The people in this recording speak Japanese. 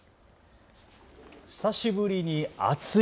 久しぶりに暑い。